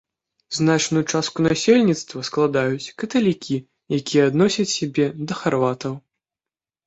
Значную частку насельніцтва складаюць каталікі, якія адносяць сябе да харватаў.